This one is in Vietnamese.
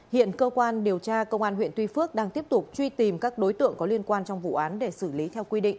hiện cơ quan điều tra công an huyện tuy phước đang tiếp tục truy tìm các đối tượng có liên quan trong vụ án để xử lý theo quy định